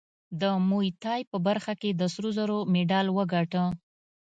د موی تای په برخه کې د سرو زرو مډال وګاټه